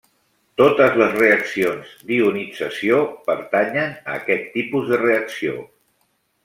Totes les reaccions d'ionització pertanyen a aquest tipus de reacció.